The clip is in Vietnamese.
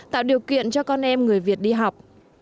tạo điều kiện cho con em người việt đi học